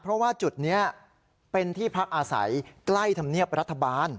เพราะว่าจุดนี้เป็นที่พักอาศัยใกล้ธรรมเนียบรัฐบาล